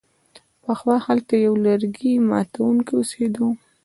پخوا هلته یو لرګي ماتوونکی اوسیده.